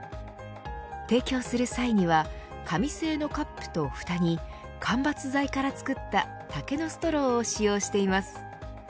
提供する際には紙製のカップとふたに間伐材から作った竹のストローを使用しています。